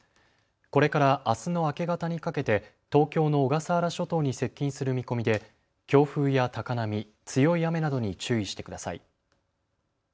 これからあすの明け方にかけて東京の小笠原諸島に接近する見込みで強風や高波、強い雨などに注意してください。